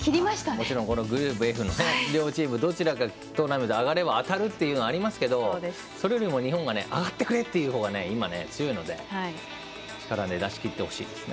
もちろんこのグループＦのどちらかトーナメント上がれば当たるというのがありますけど、それよりも日本は上がってくれ！というほうが強いので、力を出しきってほしいですね。